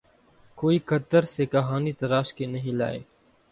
کوئی قطر سے کہانی تراش کے نہیں لائے۔